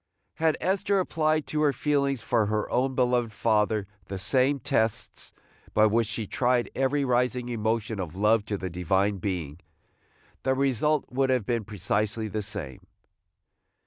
Had Esther applied to her feelings for her own beloved father the same tests by which she tried every rising emotion of love to the Divine Being, the result would have been precisely the same.